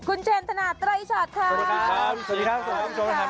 คุณเชนธนาตรายชาติค่ะสวัสดีครับสวัสดีครับสวัสดีครับสวัสดีครับ